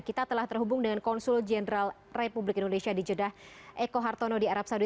kita telah terhubung dengan konsul jenderal republik indonesia di jeddah eko hartono di arab saudi